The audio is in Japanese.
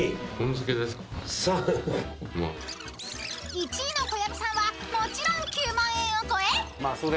［１位の小籔さんはもちろん９万円を超え］